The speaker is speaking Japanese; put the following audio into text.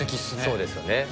そうですよね。